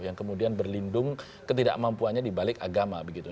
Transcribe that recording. yang kemudian berlindung ketidakmampuannya di balik agama begitu